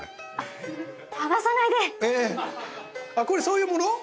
これそういうもの